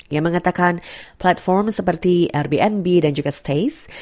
yang mengatakan platform seperti airbnb dan juga stays